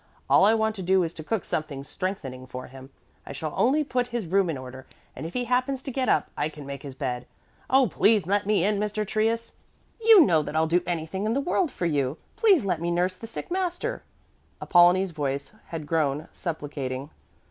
All I want to do is to cook something strengthening for him. I shall only put his room in order, and if he happens to get up, I can make his bed. Oh, please let me in, Mr. Trius! You know that I'll do anything in the world for you. Please let me nurse the sick master!" Apollonie's voice had grown supplicating.